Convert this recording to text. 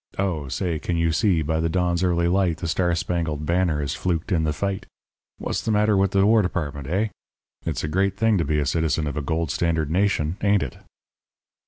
Oh, say, can you see by the dawn's early light the star spangled banner has fluked in the fight? What's the matter with the War Department, hey? It's a great thing to be a citizen of a gold standard nation, ain't it?'